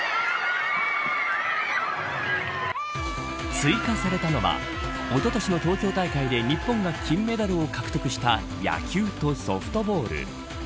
追加されたのはおととしの東京大会で日本が金メダルを獲得した野球とソフトボール。